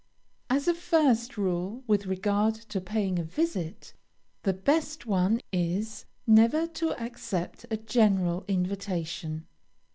As a first rule with regard to paying a visit, the best one is, never to accept a general invitation.